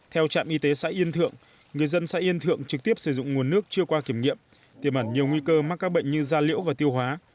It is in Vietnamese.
theo trạm y tế xã yên thượng người dân xã yên thượng trực tiếp sử dụng nguồn nước chưa qua kiểm nghiệm tiềm ẩn nhiều nguy cơ mắc các bệnh như da liễu và tiêu hóa